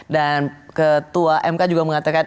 dan ketua mk juga mengatakan